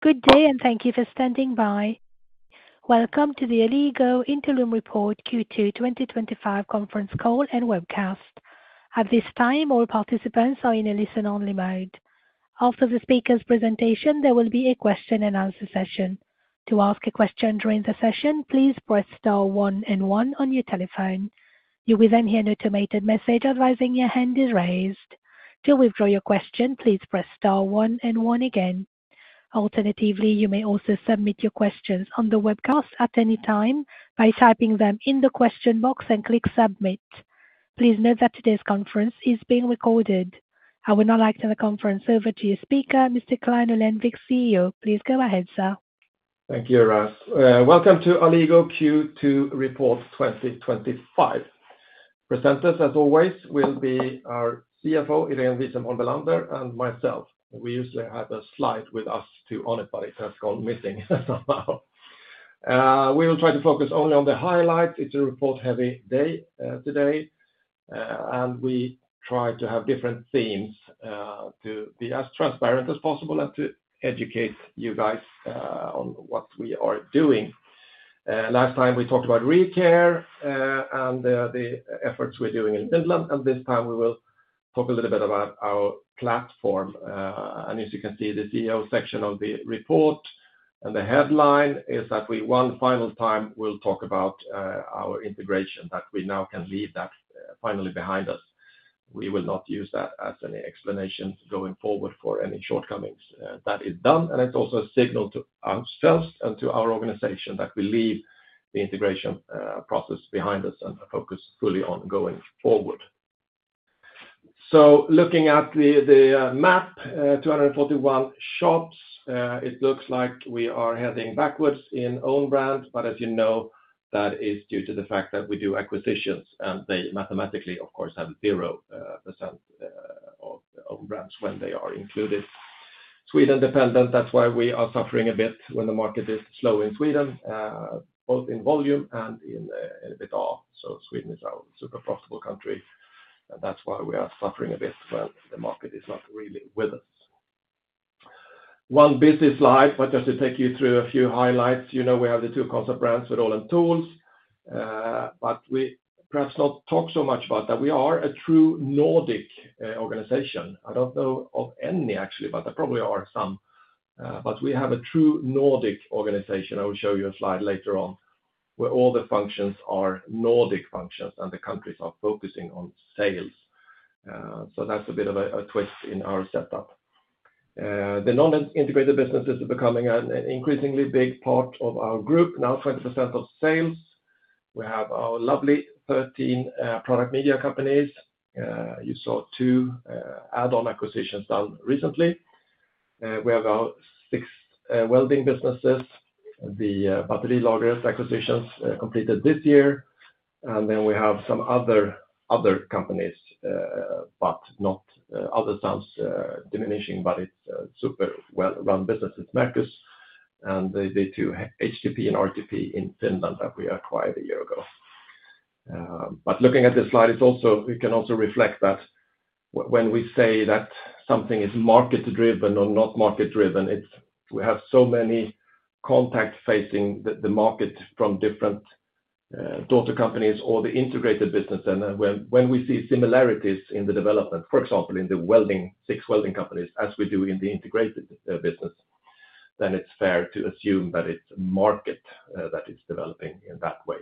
Good day and thank you for standing by. Welcome to the Alligo Interim Report Q2 2025 conference call and webcast. At this time, all participants are in a listen-only mode. After the speaker's presentation, there will be a question and answer session. To ask a question during the session, please press *1 and 1 on your telephone. You will then hear an automated message advising your hand is raised. To withdraw your question, please press *1 and 1 again. Alternatively, you may also submit your questions on the webcast at any time by typing them in the question box and click submit. Please note that today's conference is being recorded. I will now like to hand the conference over to your speaker, Mr. Clein Johansson Ullenvik, CEO. Please go ahead, sir. Thank you, Ras. Welcome to Alligo Q2 Report 2025. Presenters, as always, will be our CFO, Irene Bellander, and myself. We usually have a slide with us to honor, but it has gone missing somehow. We will try to focus only on the highlights. It's a report-heavy day today, and we try to have different themes to be as transparent as possible and to educate you guys on what we are doing. Last time, we talked about ReCare and the efforts we're doing in Finland, and this time we will talk a little bit about our platform. As you can see, the CEO section of the report and the headline is that we one final time will talk about our integration, that we now can leave that finally behind us. We will not use that as an explanation going forward for any shortcomings. That is done, and it's also a signal to ourselves and to our organization that we leave the integration process behind us and focus fully on going forward. Looking at the map, 241 shops, it looks like we are heading backwards in own brand, but as you know, that is due to the fact that we do acquisitions and they mathematically, of course, have a 0% of own brands when they are included. Sweden dependent, that's why we are suffering a bit when the market is slow in Sweden, both in volume and in a bit of. Sweden is our super profitable country, and that's why we are suffering a bit when the market is not really with us. One busy slide, but just to take you through a few highlights, you know we have the two concept brands, Swedol and TOOLS, but we perhaps not talk so much about that. We are a true Nordic organization. I don't know of any, actually, but there probably are some, but we have a true Nordic organization. I will show you a slide later on where all the functions are Nordic functions and the countries are focusing on sales. That's a bit of a twist in our setup. The non-integrated business is becoming an increasingly big part of our group, now 20% of sales. We have our lovely 13 product media companies. You saw two add-on acquisitions done recently. We have our six welding businesses, the Svenska Batterilagret acquisitions completed this year, and then we have some other other companies, but not other sales diminishing, but it's super well run businesses, Merkus and the two HTP and RTP in Finland that we acquired a year ago. Looking at this slide, we can also reflect that when we say that something is market-driven or not market-driven, we have so many contacts facing the market from different total companies or the integrated business. When we see similarities in the development, for example, in the six welding companies, as we do in the integrated business, then it's fair to assume that it's a market that is developing in that way.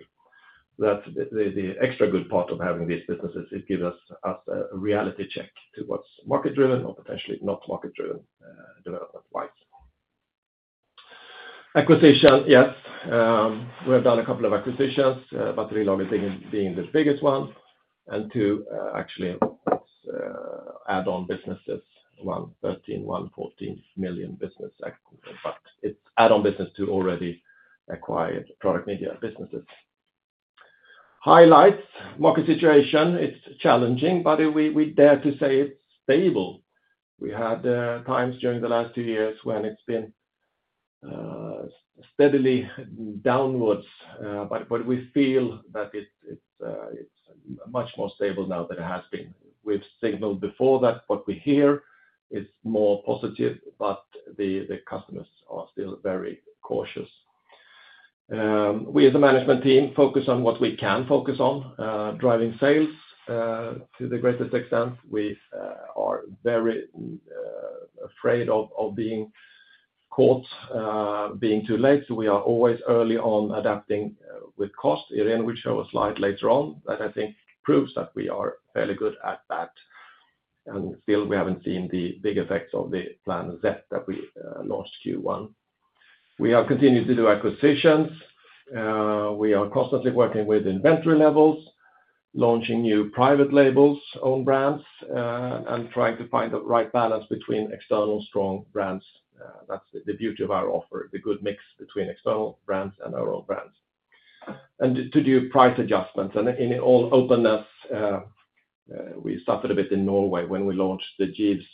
That's the extra good part of having these businesses. It gives us a reality check to what's market-driven or potentially not market-driven development-wise. Acquisition, yes, we've done a couple of acquisitions, Svenska Batterilagret being the biggest one, and two actually add-on businesses, one 13 million, one 14 million business, but it's add-on business to already acquired product media businesses. Highlights, market situation, it's challenging, but we dare to say it's stable. We had times during the last two years when it's been steadily downwards, but we feel that it's much more stable now than it has been. We've signaled before that what we hear is more positive, but the customers are still very cautious. We, as a management team, focus on what we can focus on, driving sales to the greatest extent. We are very afraid of being caught being too late, so we are always early on adapting with cost. Irene, which I will show a slide later on, that I think proves that we are fairly good at that. Still, we haven't seen the big effects of the plan Z that we launched Q1. We are continuing to do acquisitions. We are constantly working with inventory levels, launching new private labels, own brands, and trying to find the right balance between external strong brands. That's the beauty of our offer, the good mix between external brands and our own brands. To do price adjustments, and in all openness, we suffered a bit in Norway when we launched the Jeeves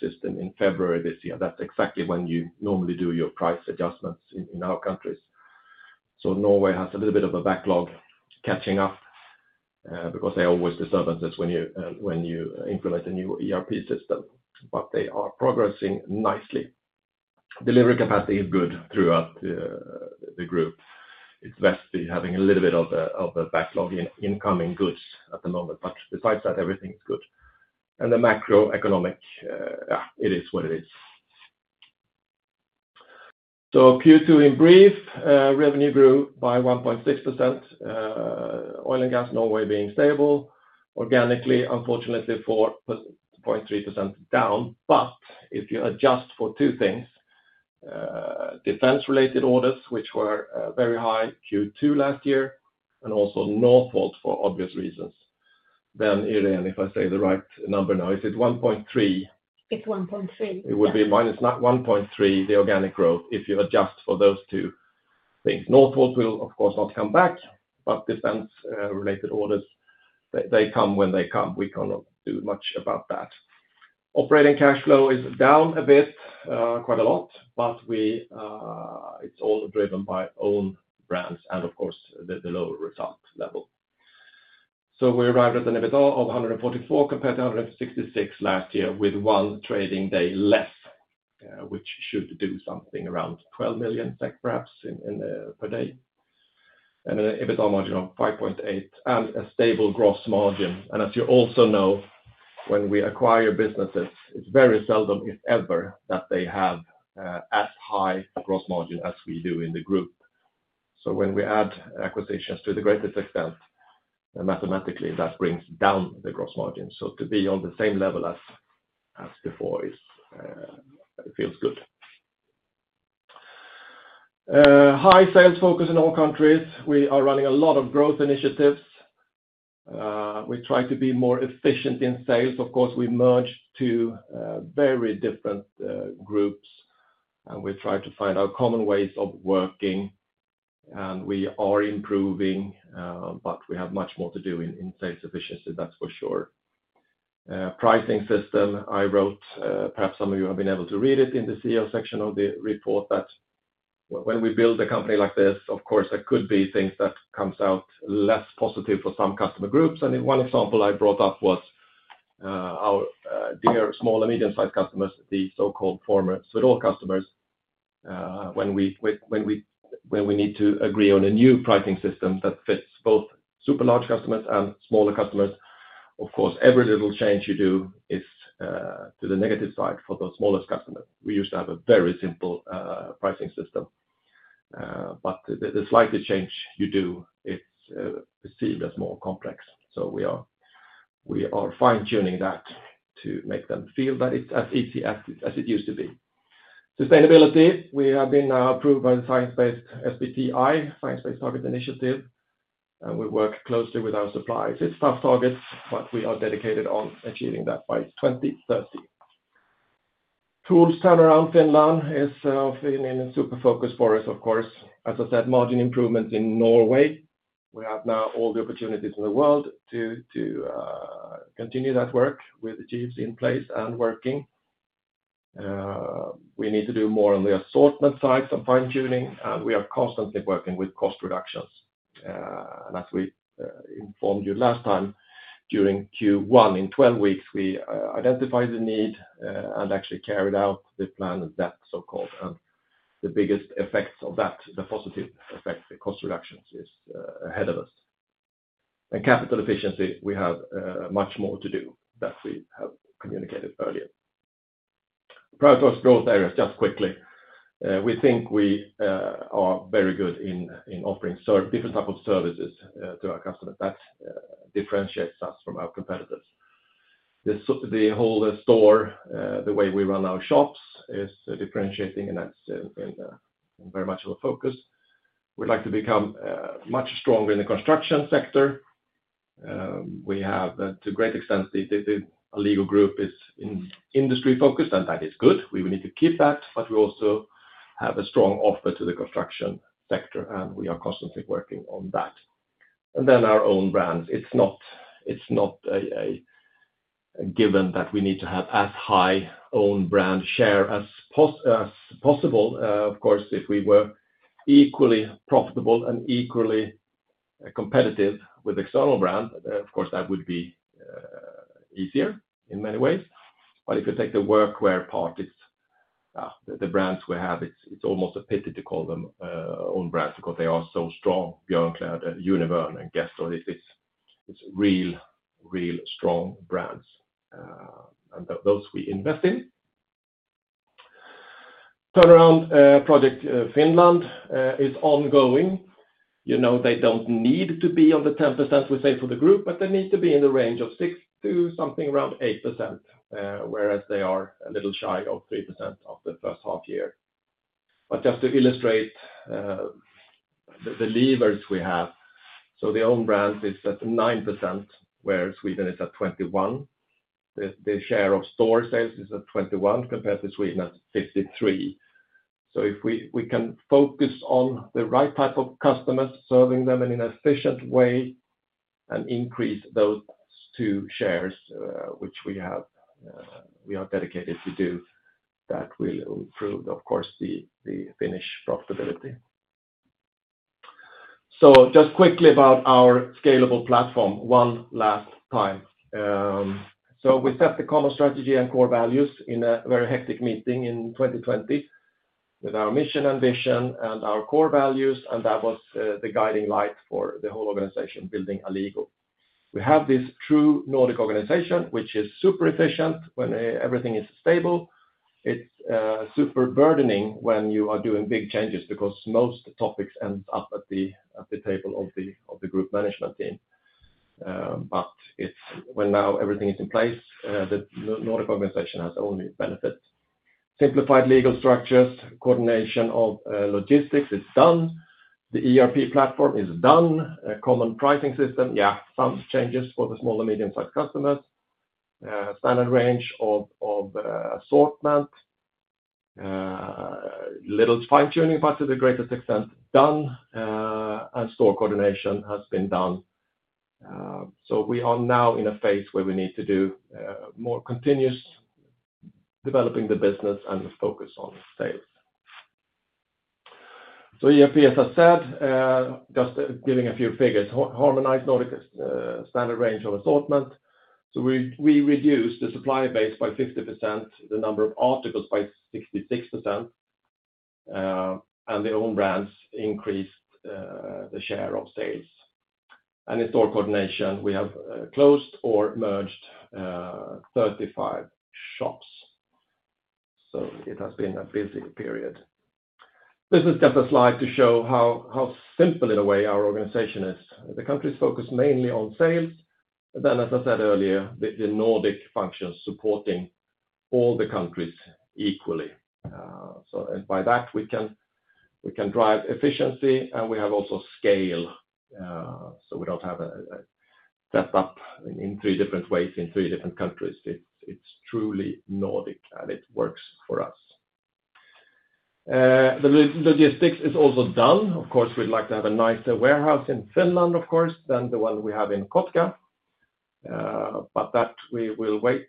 system in February this year. That's exactly when you normally do your price adjustments in our countries. Norway has a little bit of a backlog catching up because they always disturb us when you implement a new ERP system, but they are progressing nicely. Delivery capacity is good throughout the group. It's best to be having a little bit of a backlog in incoming goods at the moment, but besides that, everything is good. The macroeconomic, it is what it is. Q2 in brief, revenue grew by 1.6%. Oil and gas Norway being stable. Organically, unfortunately 4.3% down, but if you adjust for two things, defense-related orders, which were very high Q2 last year, and also Northvolt for obvious reasons, then Irene, if I say the right number now, is it 1.3%? It's 1.3. It would be minus 1.3% the organic growth if you adjust for those two things. Northvolt will, of course, not come back, but defense-related orders, they come when they come. We cannot do much about that. Operating cash flow is down a bit, quite a lot, but it's all driven by own brands and, of course, the lower results level. We arrived at a net of 144 million compared to 166 million last year with one trading day less, which should do something around 12 million, perhaps, per day. An EBITDA margin of 5.8% and a stable gross margin. As you also know, when we acquire businesses, it's very seldom, if ever, that they have as high a gross margin as we do in the group. When we add acquisitions to the greatest extent, mathematically, that brings down the gross margin. To be on the same level as before feels good. High sales focus in all countries. We are running a lot of growth initiatives. We try to be more efficient in sales. We merge two very different groups, and we try to find our common ways of working. We are improving, but we have much more to do in sales efficiency, that's for sure. Pricing system, I wrote, perhaps some of you have been able to read it in the CEO section of the report, that when we build a company like this, of course, there could be things that come out less positive for some customer groups. One example I brought up was our dear small and medium-sized customers, the so-called former Swedol customers. When we need to agree on a new pricing system that fits both super large customers and smaller customers, every little change you do is to the negative side for those smallest customers. We used to have a very simple pricing system, but the slightest change you do, it's perceived as more complex. We are fine-tuning that to make them feel that it's as easy as it used to be. Sustainability, we have been approved by the science-based SBTI, Science-Based Target Initiative, and we work closely with our suppliers. It's tough targets, but we are dedicated on achieving that by 2030. TOOLS turnaround Finland has been in a super focus for us, of course. As I said, margin improvements in Norway. We have now all the opportunities in the world to continue that work with the Jeeves in place and working. We need to do more on the assortment sites and fine-tuning, and we are constantly working with cost reductions. As we informed you last time, during Q1, in 12 weeks, we identified the need and actually carried out the plan Z, so-called. The biggest effects of that, the positive effects, the cost reductions are ahead of us. Capital efficiency, we have much more to do that we have communicated earlier. Probably first, broad areas just quickly. We think we are very good in offering different types of services to our customers. That differentiates us from our competitors. The whole store, the way we run our shops, is differentiating and that's very much of a focus. We'd like to become much stronger in the construction sector. We have to a great extent, the Alligo group is industry-focused and that is good. We will need to keep that, but we also have a strong offer to the construction sector and we are constantly working on that. Our own brands, it's not a given that we need to have as high own brand share as possible. Of course, if we were equally profitable and equally competitive with external brands, of course, that would be easier in many ways. If you take the workwear part, it's the brands we have, it's almost a pity to call them own brands because they are so strong. Björn Klett, Univern, and Geffer, it's real, real strong brands. Those we invest in. Turnaround project Finland, it's ongoing. They don't need to be on the 10% we say for the group, but they need to be in the range of 6% to something around 8%, whereas they are a little shy of 3% after the first half year. Just to illustrate the levers we have, the own brands is at 9%, where Sweden is at 21%. The share of store sales is at 21% compared to Sweden at 53%. If we can focus on the right type of customers, serving them in an efficient way, and increase those two shares, which we have, we are dedicated to do, that will improve, of course, the Finnish profitability. Quickly about our scalable platform, one last time. We set the commerce strategy and core values in a very hectic meeting in 2020 with our mission and vision and our core values, and that was the guiding light for the whole organization building Alligo. We have this true Nordic organization, which is super efficient when everything is stable. It's super burdening when you are doing big changes because most topics end up at the table of the group management team. When now everything is in place, the Nordic organization has only benefits. Simplified legal structures, coordination of logistics, it's done. The ERP platform is done. A common pricing system, yeah, some changes for the small and medium-sized customers. Standard range of assortment, little fine-tuning possibly, greater extent done, and store coordination has been done. We are now in a phase where we need to do more continuous developing the business and focus on sales. ERP, as I said, just giving a few figures, harmonized Nordic standard range of assortment. We reduced the supply base by 50%, the number of articles by 66%, and the own brands increased the share of sales. In store coordination, we have closed or merged 35 shops. It has been a busy period. This is just a slide to show how simple, in a way, our organization is. The country is focused mainly on sales, but then, as I said earlier, the Nordic function is supporting all the countries equally. By that, we can drive efficiency and we have also scale. We don't have a setup in three different ways in three different countries. It's truly Nordic and it works for us. The logistics is also done. Of course, we'd like to have a nicer warehouse in Finland, of course, than the one we have in Kotka. That we will wait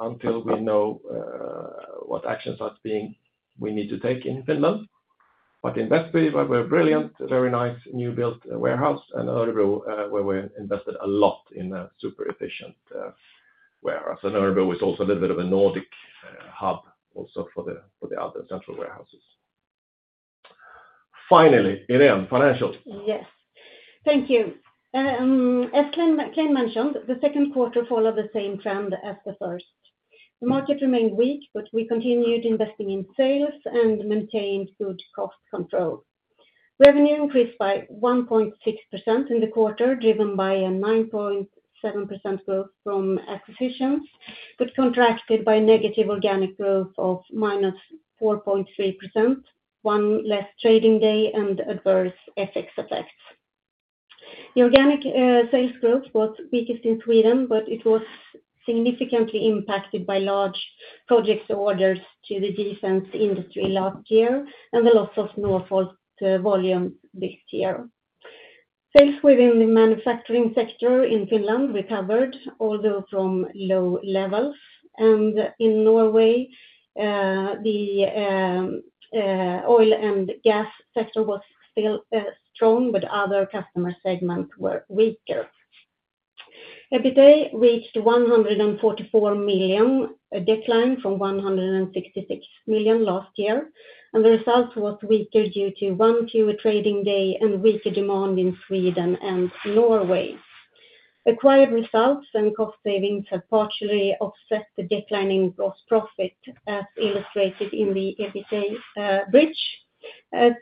until we know what actions are being we need to take in Finland. In Västby, we're brilliant, very nice new built warehouse, and Örebro, where we invested a lot in a super efficient warehouse. Örebro is also a little bit of a Nordic hub also for the other central warehouses. Finally, Irene, financials. Yes. Thank you. As Clein mentioned, the second quarter followed the same trend as the first. The market remained weak, but we continued investing in sales and maintained good cost control. Revenue increased by 1.6% in the quarter, driven by a 9.7% growth from acquisitions, but contracted by negative organic growth of minus 4.3%, one less trading day, and adverse FX effects. The organic sales growth was the biggest in Sweden, but it was significantly impacted by large projects or orders to the defense industry last year and the loss of Northvolt volumes this year. Sales within the manufacturing sector in Finland recovered, although from low levels. In Norway, the oil and gas sector was still strong, but other customer segments were weaker. EBITDA reached 144 million, a decline from 166 million last year. The result was weaker due to one fewer trading day and weaker demand in Sweden and Norway. Acquired results and the cost savings have partially offset the decline in gross profit, as illustrated in the EBITDA bridge.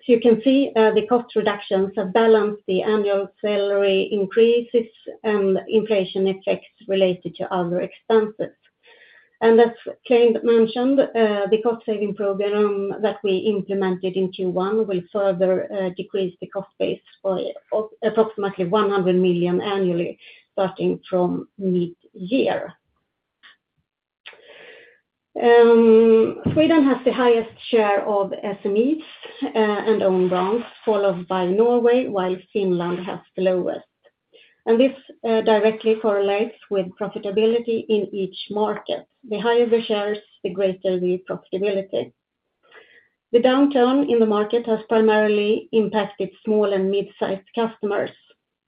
You can see the cost reductions have balanced the annual salary increases and inflation effects related to other expenses. As Clein mentioned, the cost-saving program that we implemented in Q1 will further decrease the cost base by approximately 100 million annually, starting from mid-year. Sweden has the highest share of SMEs and own brands, followed by Norway, while Finland has the lowest. This directly correlates with profitability in each market. The higher the shares, the greater the profitability. The downturn in the market has primarily impacted small and mid-sized customers.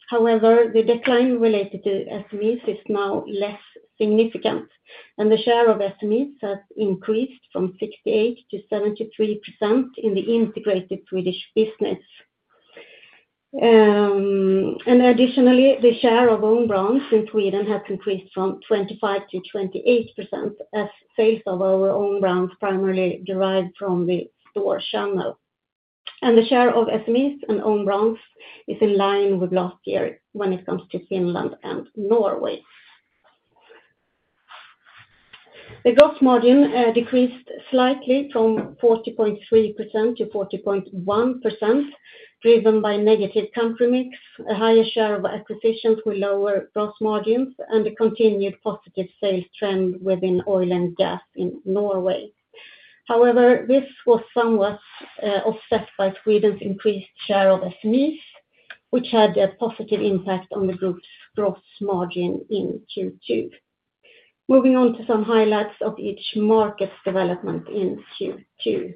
However, the decline related to SMEs is now less significant. The share of SMEs has increased from 68%-73% in the integrated Swedish business. Additionally, the share of own brands in Sweden has increased from 25%-28%, as sales of our own brands primarily derive from the store channel. The share of SMEs and own brands is in line with last year when it comes to Finland and Norway. The gross margin decreased slightly from 40.3% to 40.1%, driven by a negative country mix, a higher share of acquisitions with lower gross margins, and a continued positive sales trend within oil and gas in Norway. However, this was somewhat offset by Sweden's increased share of SMEs, which had a positive impact on the group's gross margin in Q2. Moving on to some highlights of each market's development in Q2.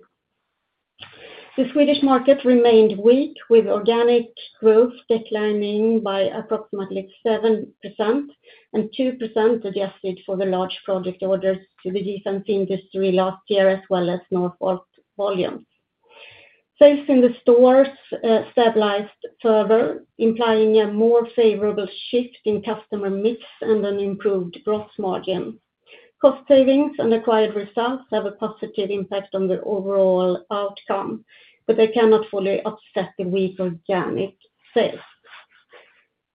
The Swedish market remained weak with organic growth declining by approximately 7%, and 2% adjusted for the large project orders to the defense industry last year, as well as Northvolt volumes. Sales in the stores stabilized further, implying a more favorable shift in customer mix and an improved gross margin. Cost savings and acquired results have a positive impact on the overall outcome, but they cannot fully offset the weak organic sales.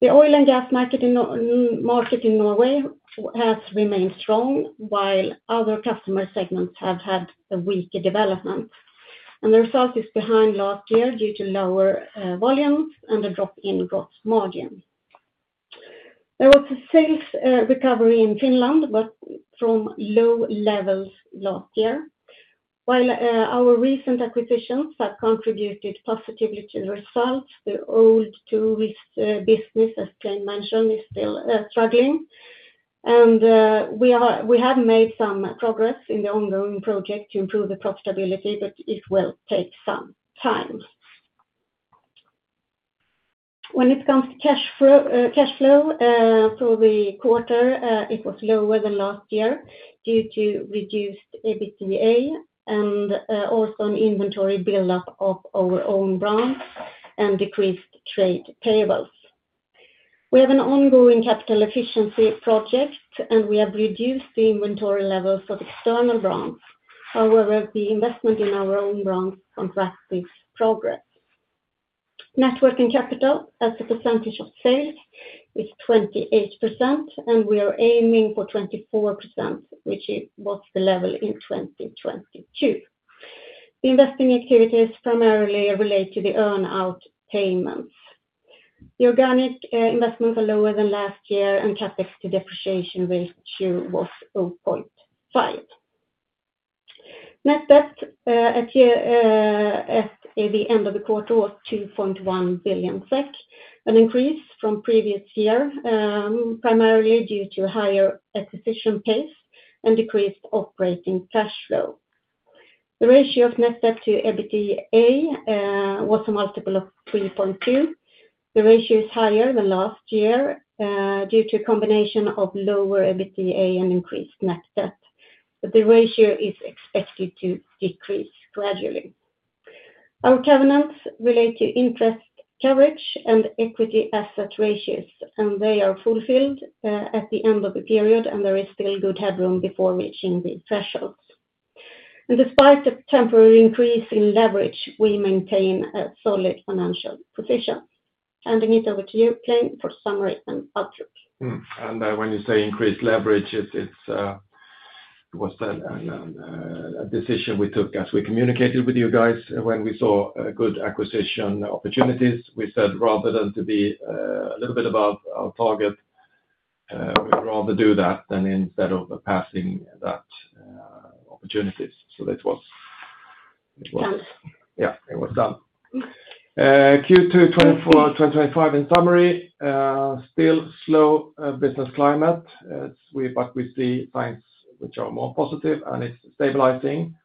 The oil and gas market in Norway has remained strong, while other customer segments have had a weaker development. The result is behind last year due to lower volumes and a drop in gross margin. There was a sales recovery in Finland, but from low levels last year. While our recent acquisitions have contributed positively to the result, the old TOOLS business, as Clein mentioned, is still struggling. We have made some progress in the ongoing project to improve the profitability, but it will take some time. When it comes to cash flow for the quarter, it was lower than last year due to reduced EBITDA and also an inventory buildup of our own brands and decreased trade payables. We have an ongoing capital efficiency project, and we have reduced the inventory levels of external brands. However, the investment in our own brands continues with progress. Net working capital, as a percentage of sales, is 28%, and we are aiming for 24%, which was the level in 2022. The investing activities primarily relate to the earn-out payments. The organic investments are lower than last year, and the CapEx to depreciation ratio was 0.5. Net debt at the end of the quarter was 2.1 billion SEK, an increase from previous year, primarily due to a higher acquisition pace and decreased operating cash flow. The ratio of net debt to EBITDA was a multiple of 3.2. The ratio is higher than last year due to a combination of lower EBITDA and increased net debt. The ratio is expected to decrease gradually. Our covenants relate to interest coverage and equity asset ratios, and they are fulfilled at the end of the period, and there is still good headroom before reaching the thresholds. Despite the temporary increase in leverage, we maintain a solid financial position. Handing it over to you, Clein, for summary and outlook. When you say increased leverage, it was a decision we took as we communicated with you guys when we saw good acquisition opportunities. We said rather than to be a little bit above our target, we'd rather do that instead of passing that opportunity. It was done. Q2 2025 in summary, still slow business climate, but we see signs which are more positive and it's stabilizing.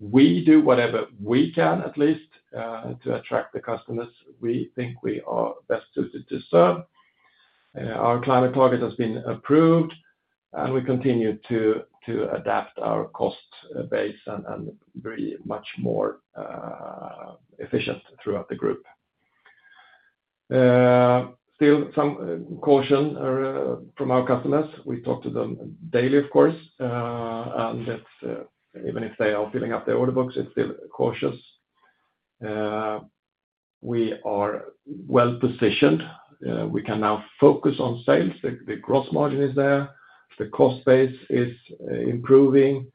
We do whatever we can, at least, to attract the customers we think we are best suited to serve. Our climate target has been approved, and we continue to adapt our cost base and be much more efficient throughout the group. Still, some caution from our customers. We talk to them daily, of course, and even if they are filling up their order books, it's still cautious. We are well positioned. We can now focus on sales. The gross margin is there. The cost base is improving.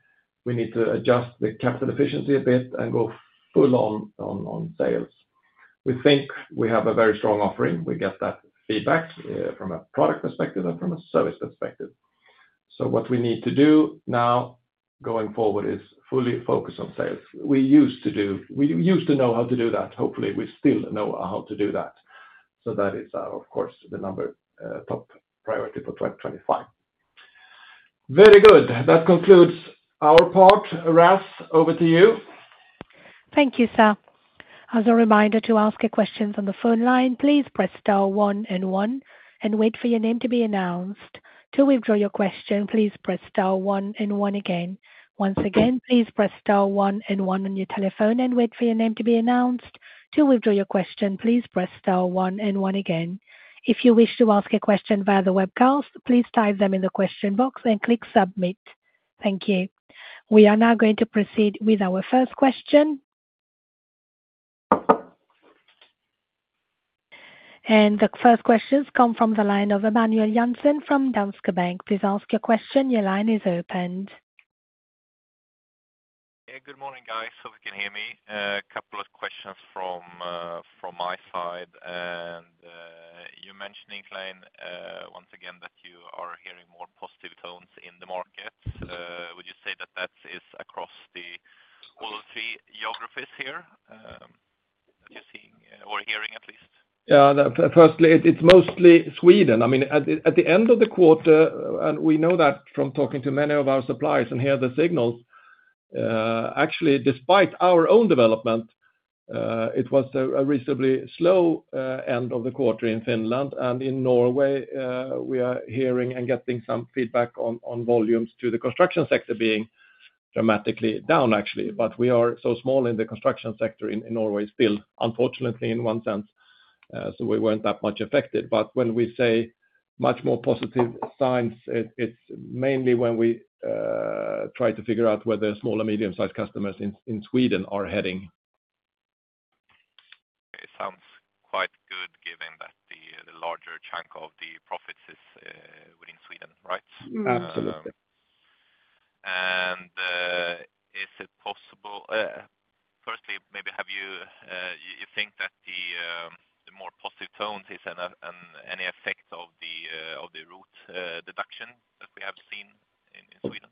We need to adjust the capital efficiency a bit and go full on on sales. We think we have a very strong offering. We get that feedback from a product perspective and from a service perspective. What we need to do now going forward is fully focus on sales. We used to know how to do that. Hopefully, we still know how to do that. That is, of course, the number top priority for 2025. Very good. That concludes our part. Ras, over to you. Thank you, Sal. As a reminder to ask your questions on the phone line, please press *1 and 1 and wait for your name to be announced. To withdraw your question, please press *1 and 1 again. Once again, please press *1 and 1 on your telephone and wait for your name to be announced. To withdraw your question, please press *1 and 1 again. If you wish to ask a question via the webcast, please type them in the question box and click submit. Thank you. We are now going to proceed with our first question. The first questions come from the line of Emmanuel Jansen from Danske Bank. Please ask your question. Your line is opened. Good morning, guys, hope you can hear me. A couple of questions from my side. You mentioned, Clein, once again that you are hearing more positive tones in the markets. Would you say that is across all three geographies here that you're seeing or hearing, at least? Yeah, firstly, it's mostly Sweden. I mean, at the end of the quarter, and we know that from talking to many of our suppliers and hear the signals, actually, despite our own development, it was a reasonably slow end of the quarter in Finland. In Norway, we are hearing and getting some feedback on volumes to the construction sector being dramatically down, actually. We are so small in the construction sector in Norway still, unfortunately, in one sense. We weren't that much affected. When we say much more positive signs, it's mainly when we try to figure out where small and medium-sized customers in Sweden are heading. It sounds quite good given that the larger chunk of the profits is within Sweden, right? Absolutely. Is it possible, firstly, maybe have you think that the more positive tones is any effect of the root deduction that we have seen in Sweden?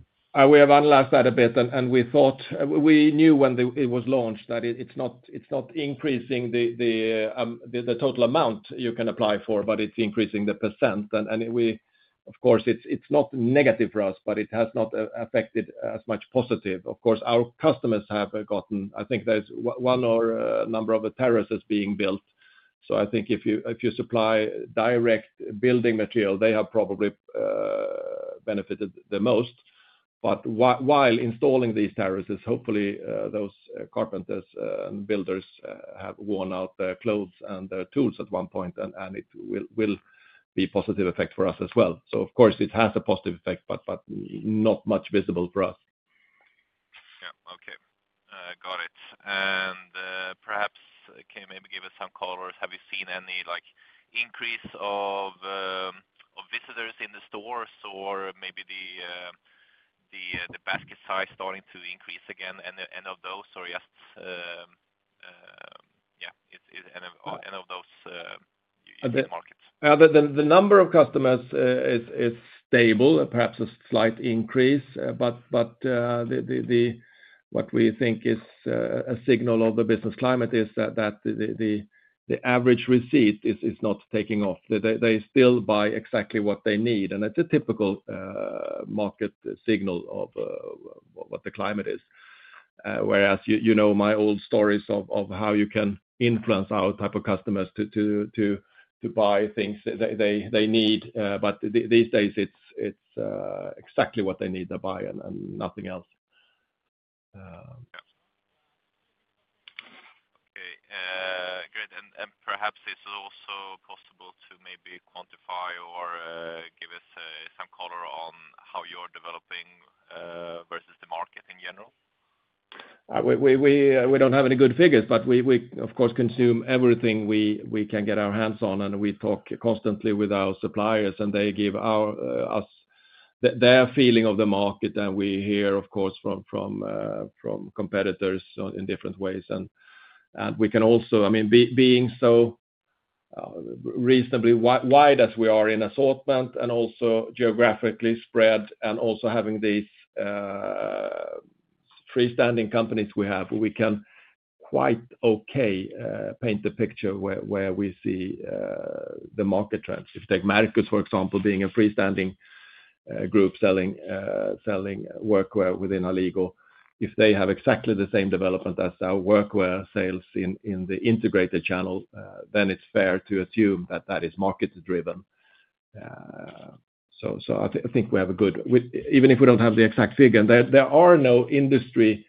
We have analyzed that a bit, and we thought we knew when it was launched that it's not increasing the total amount you can apply for, but it's increasing the %. Of course, it's not negative for us, but it has not affected as much positive. Our customers have gotten, I think there's one or a number of terraces being built. I think if you supply direct building material, they have probably benefited the most. While installing these terraces, hopefully, those carpenters and builders have worn out their clothes and their tools at one point, and it will be a positive effect for us as well. It has a positive effect, but not much visible for us. Okay, got it. Perhaps, can you maybe give us some colors? Have you seen any increase of visitors in the stores or maybe the basket size starting to increase again? Is any of those, or just, yeah, is any of those markets? The number of customers is stable, perhaps a slight increase. What we think is a signal of the business climate is that the average receipt is not taking off. They still buy exactly what they need. It's a typical market signal of what the climate is. You know my old stories of how you can influence our type of customers to buy things they need. These days, it's exactly what they need to buy and nothing else. Great. Perhaps it's also possible to maybe quantify or give us some color on how you're developing versus the market in general? We don't have any good figures, but we, of course, consume everything we can get our hands on. We talk constantly with our suppliers, and they give us their feeling of the market. We hear, of course, from competitors in different ways. We can also, being so reasonably wide as we are in assortment and also geographically spread and also having these freestanding companies we have, quite okay paint the picture where we see the market trends. If you take Merkus, for example, being a freestanding group selling workwear within Alligo, if they have exactly the same development as our workwear sales in the integrated channel, then it's fair to assume that that is market-driven. I think we have a good, even if we don't have the exact figure, and there are no industry,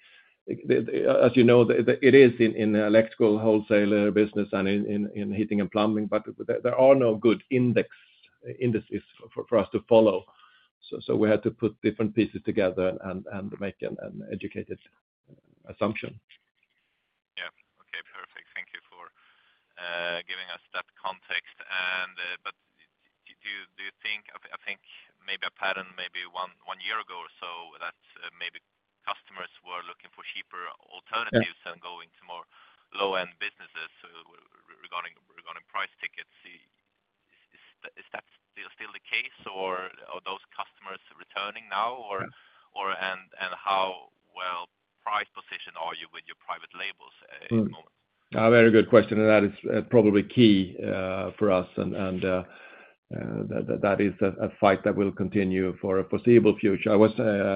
as you know, it is in the electrical wholesaler business and in heating and plumbing, but there are no good indexes for us to follow. We had to put different pieces together and make an educated assumption. Okay. Perfect. Thank you for giving us that context. Do you think, maybe a pattern one year ago or so was that customers were looking for cheaper alternatives and going to more low-end businesses regarding price tickets? Is that still the case or are those customers returning now? How well price positioned are you with your private labels at the moment? A very good question. That is probably key for us. That is a fight that will continue for a foreseeable future. I was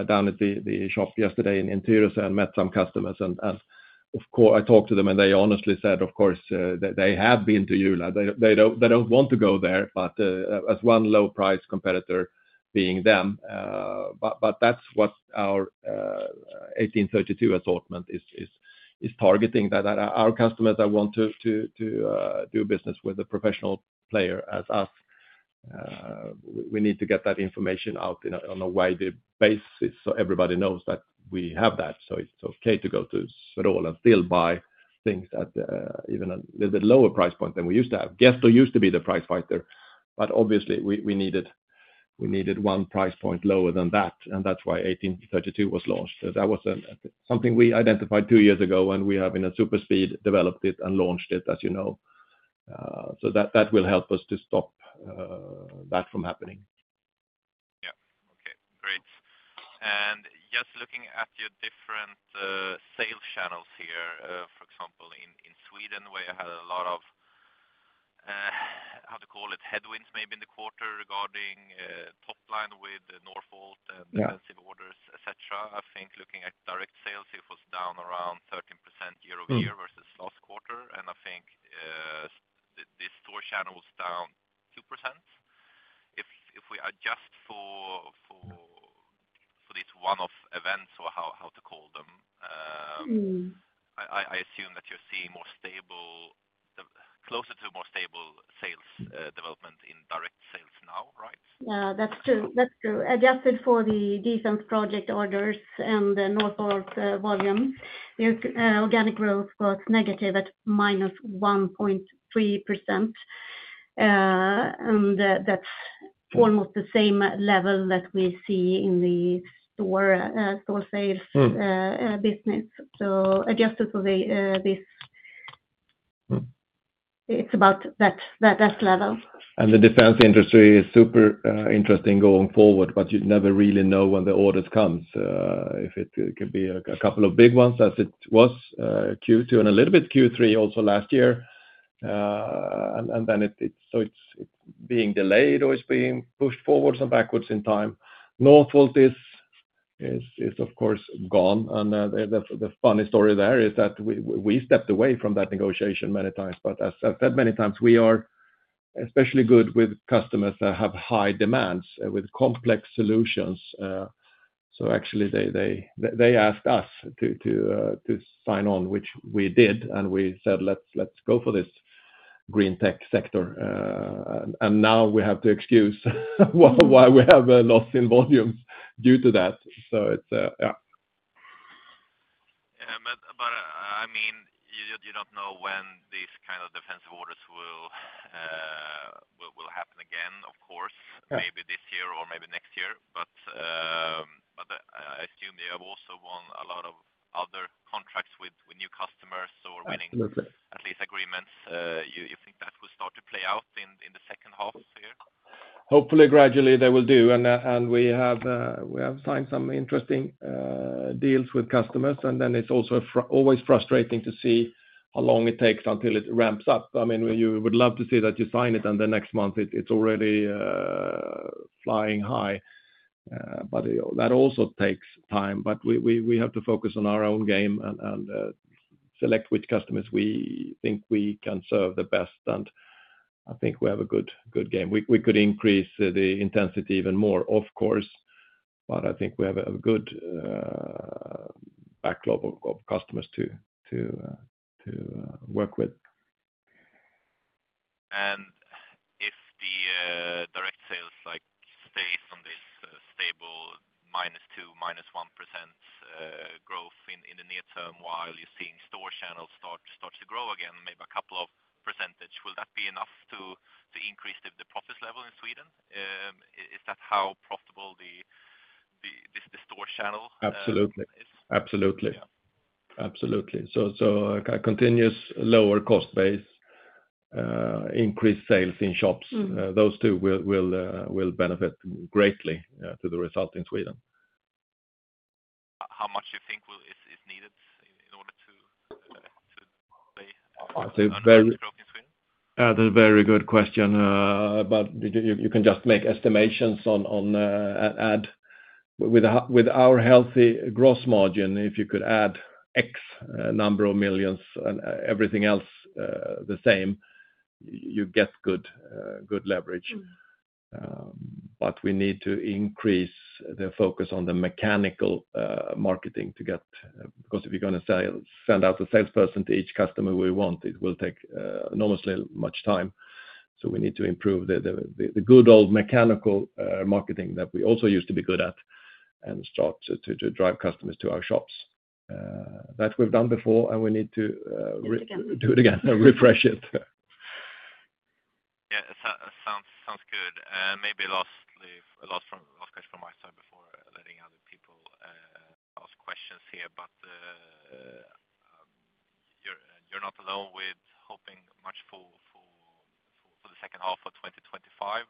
down at the shop yesterday in Interiors and met some customers. Of course, I talked to them and they honestly said, of course, they have been to Ula. They don't want to go there, but as one low-priced competitor being them. That's what our 1832 assortment is targeting, that our customers that want to do business with a professional player as us. We need to get that information out on a wide basis so everybody knows that we have that. It's okay to go to Swedol and still buy things at even a little bit lower price point than we used to have. Gesto used to be the price fighter, but obviously, we needed one price point lower than that. That's why 1832 was launched. That was something we identified two years ago and we have in a super speed developed it and launched it, as you know. That will help us to stop that from happening. Okay. Great. Just looking at your different sales channels here, for example, in Sweden, where you had a lot of, how to call it, headwinds maybe in the quarter regarding top line with Northvolt and defensive orders, etc. I think looking at direct sales, it was down around 13% year-over-year versus last quarter. I think the store channel was down 2%. If we adjust for this one-off event, so how to call them, I assume that you're seeing more stable, closer to more stable sales development in direct sales now, right? Yeah, that's true. That's true. Adjusted for the defense project orders and the Northvolt volumes, the organic growth was negative at -1.3%. That's almost the same level that we see in the store sales business. Adjusted for this, it's about that level. The defense industry is super interesting going forward, but you never really know when the orders come. It could be a couple of big ones as it was in Q2 and a little bit in Q3 also last year. Then it's being delayed or it's being pushed forwards and backwards in time. Northvolt is, of course, gone. The funny story there is that we stepped away from that negotiation many times. As I said many times, we are especially good with customers that have high demands with complex solutions. Actually, they asked us to sign on, which we did. We said, "Let's go for this green tech sector." Now we have to excuse why we have a loss in volumes due to that. Yeah, I mean, you don't know when these kinds of defensive orders will happen again. Of course, maybe this year or maybe next year. I assume they have also won a lot of other contracts with new customers or winning at least agreements. You think that will start to play out in the second half here? Hopefully, gradually, they will do. We have signed some interesting deals with customers. It is also always frustrating to see how long it takes until it ramps up. I mean, you would love to see that you sign it and the next month it's already flying high. That also takes time. We have to focus on our own game and select which customers we think we can serve the best. I think we have a good game. We could increase the intensity even more, of course. I think we have a good backlog of customers to work with. If the direct sales stays on this stable minus 2%, minus 1% growth in the near term while you're seeing store channels start to grow again, maybe a couple of %, will that be enough to increase the profits level in Sweden? Is that how profitable the store channel is? Absolutely. Absolutely. A continuous lower cost base and increased sales in shops will benefit greatly to the result in Sweden. How much do you think is needed in order to play out in Sweden? That's a very good question. You can just make estimations on, and add with our healthy gross margin, if you could add X number of millions and everything else the same, you get good leverage. We need to increase the focus on the mechanical marketing to get because if you're going to send out the salesperson to each customer we want, it will take enormously much time. We need to improve the good old mechanical marketing that we also used to be good at and start to drive customers to our shops. That we've done before, and we need to do it again, refresh it. Yeah, it sounds good. Maybe lastly, a last question from my side before letting other people ask questions here. You're not alone with hoping much for the second half of 2025.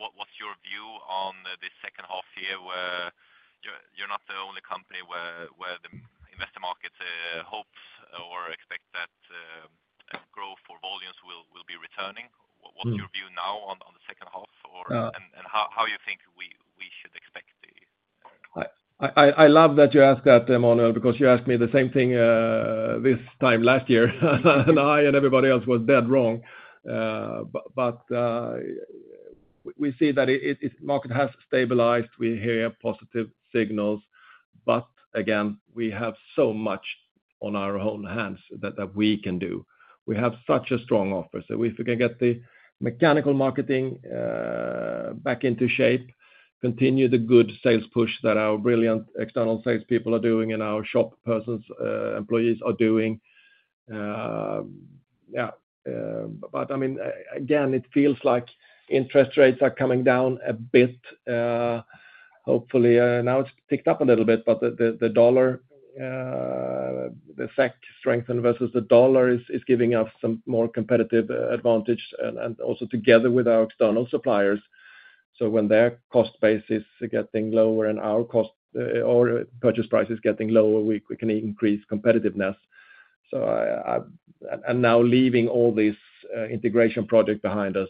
What's your view on the second half year where you're not the only company where the investor market hopes or expects that growth for volumes will be returning? What's your view now on the second half and how you think we should expect the? I love that you asked that, Emmanuel, because you asked me the same thing this time last year. I and everybody else were dead wrong. We see that the market has stabilized. We hear positive signals. We have so much on our own hands that we can do. We have such a strong offer. If we can get the mechanical marketing back into shape, continue the good sales push that our brilliant external salespeople are doing and our shop persons, employees are doing, it feels like interest rates are coming down a bit. Hopefully, now it's picked up a little bit, but the SEK strengthened versus the dollar is giving us the more competitive advantage. Also, together with our external suppliers, when their cost base is getting lower and our cost or purchase price is getting lower, we can increase competitiveness. Now leaving all this integration project behind us,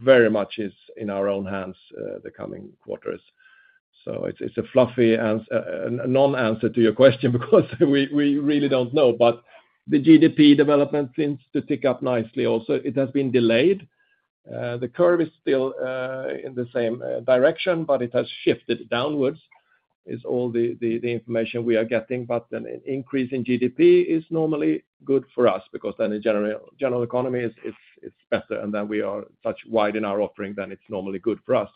very much is in our own hands the coming quarters. It's a fluffy and a non-answer to your question because we really don't know. The GDP development seems to tick up nicely. Also, it has been delayed. The curve is still in the same direction, but it has shifted downwards. It's all the information we are getting. An increase in GDP is normally good for us because then the general economy is better. When we are touching wide in our offering, then it's normally good for us.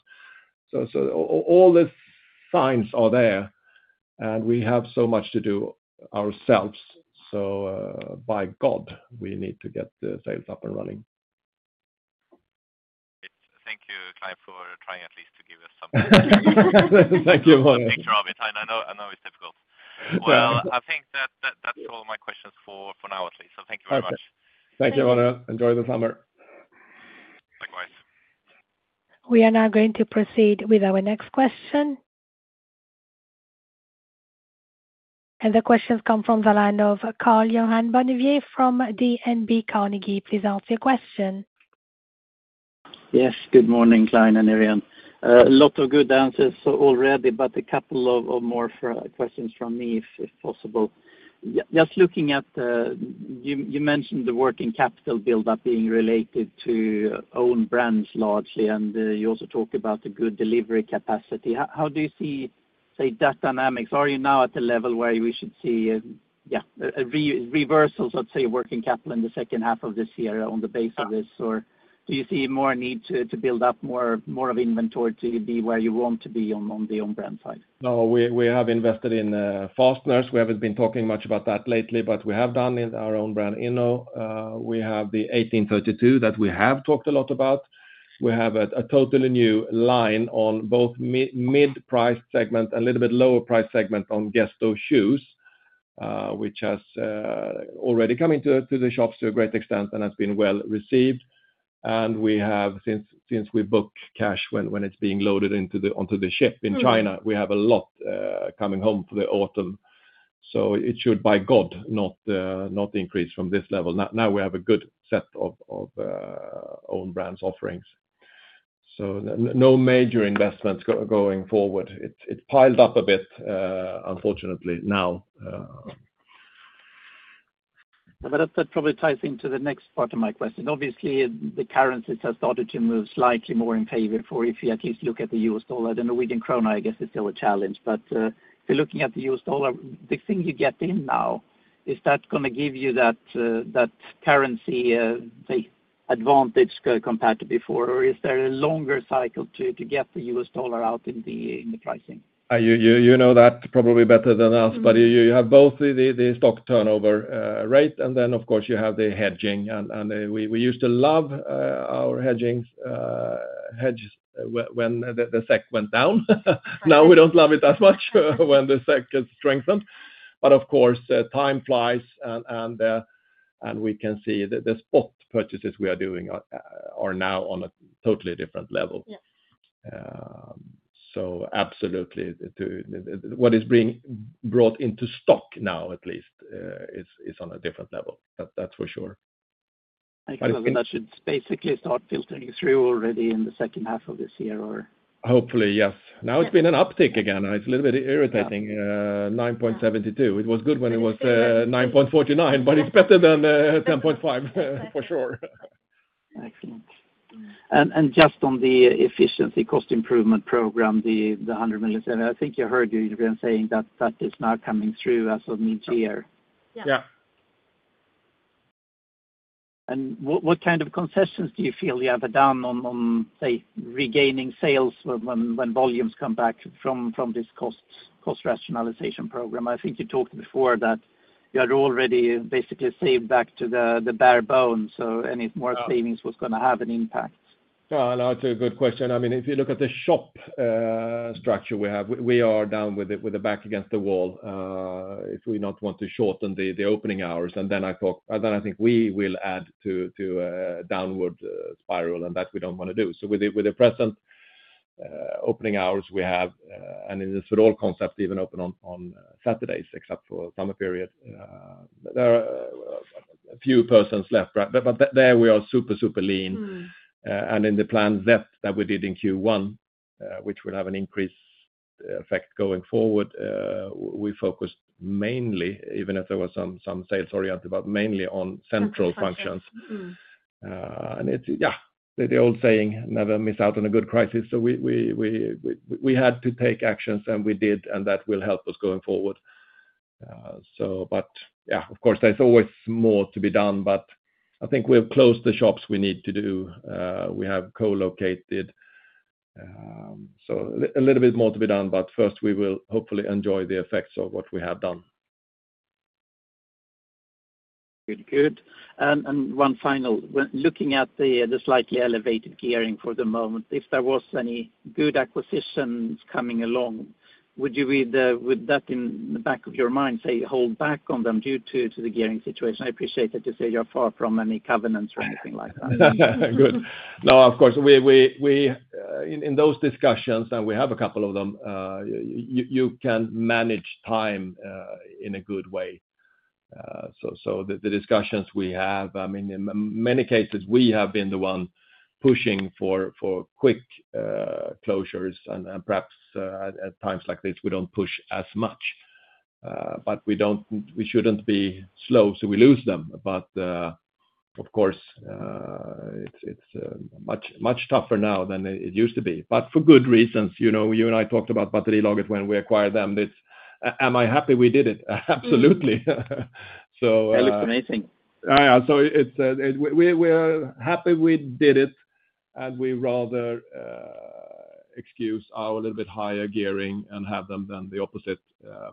All the signs are there. We have so much to do ourselves. By God, we need to get the sales up and running. Thank you, Clein, for trying at least to give us some questions. Thank you, Emmanuel. Thank you, Ravi. I know it's difficult. I think that's all my questions for now, at least. Thank you very much. Thank you, Emmanuel. Enjoy the summer. Likewise. We are now going to proceed with our next question. The questions come from Karl-Johan Bonnevier from DNB Carnegie. Please answer your question. Yes. Good morning, Clein and Irene. A lot of good answers already, but a couple of more questions from me if possible. Just looking at you mentioned the working capital buildup being related to own brands largely, and you also talk about the good delivery capacity. How do you see, say, that dynamic? Are you now at a level where we should see, yeah, a reversal, let's say, of working capital in the second half of this year on the base of this? Or do you see more a need to build up more of inventory to be where you want to be on the own brand side? No, we have invested in Fastner. We haven't been talking much about that lately, but we have done in our own brand, Inno. We have the 1832 that we have talked a lot about. We have a totally new line on both mid-price segment and a little bit lower price segment on Gesto shoes, which has already come into the shops to a great extent and has been well received. Since we book cash when it's being loaded onto the ship in China, we have a lot coming home for the autumn. It should, by God, not increase from this level. Now we have a good set of own brands' offerings. No major investments going forward. It piled up a bit, unfortunately, now. That probably ties into the next part of my question. Obviously, the currencies have started to move slightly more in favor for if you at least look at the U.S. dollar and the Norwegian krona, I guess it's still a challenge. If you're looking at the U.S. dollar, the thing you get in now, is that going to give you that currency advantage compared to before? Or is there a longer cycle to get the U.S. dollar out in the pricing? You know that probably better than us, but you have both the stock turnover rate and, of course, you have the hedging. We used to love our hedges when the SEK went down. Now we don't love it as much when the SEK gets strengthened. Of course, time flies and we can see the spot purchases we are doing are now on a totally different level. Absolutely, what is being brought into stock now, at least, is on a different level. That's for sure. I guess that should basically start filtering through already in the second half of this year, or? Hopefully, yes. Now it's been an uptick again. It's a little bit irritating. 9.72. It was good when it was 9.49, but it's better than 10.5, for sure. Excellent. Just on the efficiency cost improvement program, the 100 million, I think you heard you've been saying that that is now coming through as of mid-year. Yeah. What kind of concessions do you feel you have done on, say, regaining sales when volumes come back from this cost rationalization program? I think you talked before that you had already basically saved back to the bare bones. Any more savings was going to have an impact. Yeah, no, it's a good question. I mean, if you look at the shop structure we have, we are down with the back against the wall if we do not want to shorten the opening hours. I think we will add to a downward spiral and that we don't want to do. With the present opening hours we have, and it is a good old concept, even open on Saturdays except for the summer period, there are a few persons left. There we are super, super lean. In the plan Z that we did in Q1, which will have an increased effect going forward, we focused mainly, even if there were some sales-oriented, but mainly on central functions. It's the old saying, never miss out on a good crisis. We had to take actions, and we did, and that will help us going forward. Of course, there's always more to be done, but I think we've closed the shops we need to do. We have co-located. A little bit more to be done, but first, we will hopefully enjoy the effects of what we have done. Good, good. One final, looking at the slightly elevated gearing for the moment, if there was any good acquisitions coming along, would you be there, would that in the back of your mind say hold back on them due to the gearing situation? I appreciate that you say you're far from any covenants or anything like that. Good. No, of course, we are in those discussions, and we have a couple of them. You can manage time in a good way. The discussions we have, I mean, in many cases, we have been the one pushing for quick closures. Perhaps at times like this, we don't push as much. We shouldn't be slow, so we lose them. Of course, it's much, much tougher now than it used to be, for good reasons. You know, you and I talked about Svenska Batterilagret when we acquired them. Am I happy we did it? Absolutely. It looks amazing. We're happy we did it. We'd rather excuse our a little bit higher gearing and have them than the opposite.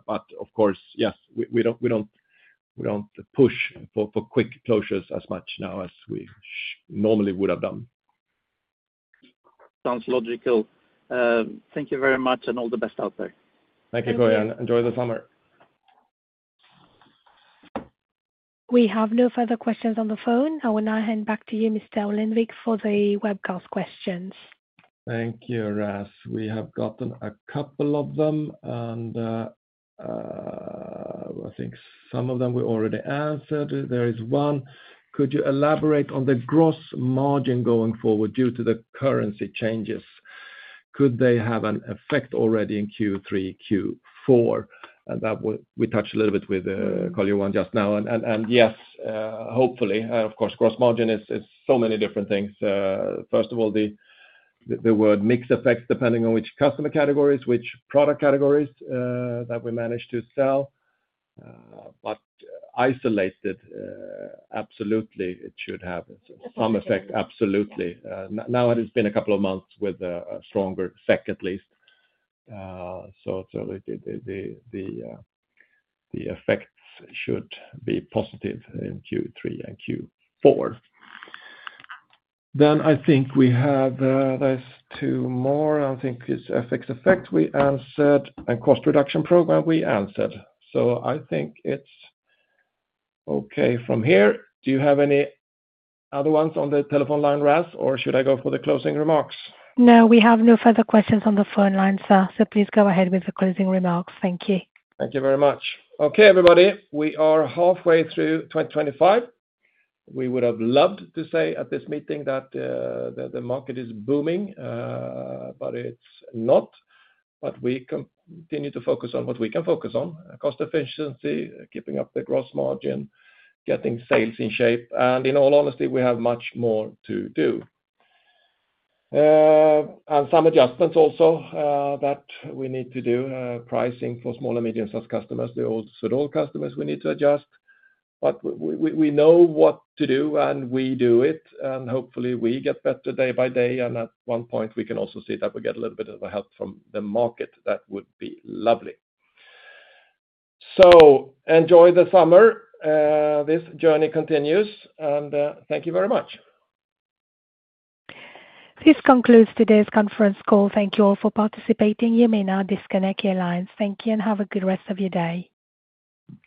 Of course, yes, we don't push for quick closures as much now as we normally would have done. Sounds logical. Thank you very much, and all the best out there. Thank you, Clein. Enjoy the summer. We have no further questions on the phone. I will now hand back to you, Mr. Ullenvik, for the webcast questions. Thank you, Ras. We have gotten a couple of them, and I think some of them we already answered. There is one. Could you elaborate on the gross margin going forward due to the currency changes? Could they have an effect already in Q3, Q4? That we touched a little bit with Karl-Johan just now. Yes, hopefully. Of course, gross margin is so many different things. First of all, the word mix effects, depending on which customer categories, which product categories that we manage to sell. Isolated, absolutely, it should have some effect, absolutely. Now it has been a couple of months with a stronger effect, at least. The effects should be positive in Q3 and Q4. I think we have those two more. I think it's a fixed effect we answered and cost reduction program we answered. I think it's okay from here. Do you have any other ones on the telephone line, Ras, or should I go for the closing remarks? No, we have no further questions on the phone line, Sir. Please go ahead with the closing remarks. Thank you. Thank you very much. Okay, everybody, we are halfway through 2025. We would have loved to say at this meeting that the market is booming, but it's not. We continue to focus on what we can focus on: cost efficiency, keeping up the gross margin, getting sales in shape. In all honesty, we have much more to do. Some adjustments also that we need to do: pricing for small and medium-sized customers, the old Swedol customers we need to adjust. We know what to do, and we do it. Hopefully, we get better day by day. At one point, we can also see that we get a little bit of a help from the market. That would be lovely. Enjoy the summer. This journey continues. Thank you very much. This concludes today's conference call. Thank you all for participating. You may now disconnect your lines. Thank you and have a good rest of your day.